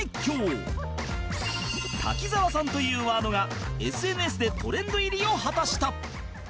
「滝沢さん」というワードが ＳＮＳ でトレンド入りを果たした